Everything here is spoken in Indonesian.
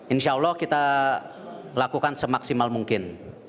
insya allah kita lakukan semaksimal mungkin